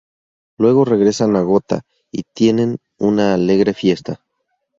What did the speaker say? Luego regresan a Gotha, y tienen una alegre fiesta.